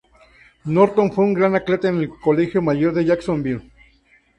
Norton fue un gran atleta en el Colegio Mayor de Jacksonville.